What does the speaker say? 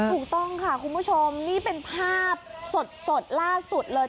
ถูกต้องค่ะคุณผู้ชมนี่เป็นภาพสดล่าสุดเลย